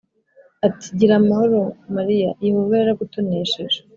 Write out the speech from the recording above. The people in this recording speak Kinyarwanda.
ati gira amahoro Mariya Yehova yaragutonesheje